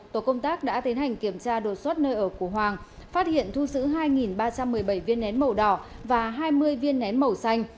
tổ công tác đã tiến hành kiểm tra đột xuất nơi ở của hoàng phát hiện thu giữ hai ba trăm một mươi bảy viên nén màu đỏ và hai mươi viên nén màu xanh